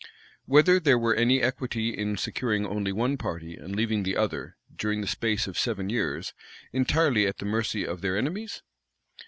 Whether there were any equity in securing only one party, and leaving the other, during the space of seven years, entirely at the mercy of their enemies?